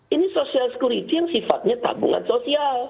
ini social security yang sifatnya tabungan sosial